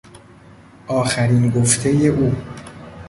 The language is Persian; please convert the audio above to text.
آخرین گفتهی او